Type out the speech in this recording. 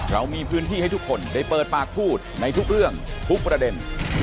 เรามีพื้นที่ให้ทุกคนได้เปิดปากพูดในทุกเรื่องทุกประเด็น